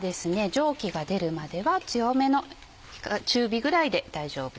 蒸気が出るまでは強めの中火ぐらいで大丈夫です。